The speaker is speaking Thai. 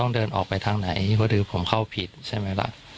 เดินเข้าไปปิดใช่ไหมละ